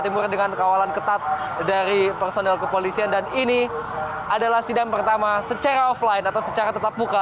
timur dengan kawalan ketat dari personil kepolisian dan ini adalah sidang pertama secara offline atau secara tetap muka